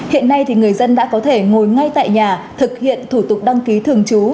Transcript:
hiện nay người dân đã có thể ngồi ngay tại nhà thực hiện thủ tục đăng ký thường trú